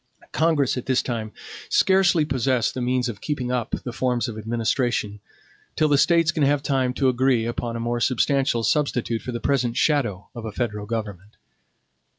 Congress at this time scarcely possess the means of keeping up the forms of administration, till the States can have time to agree upon a more substantial substitute for the present shadow of a federal government.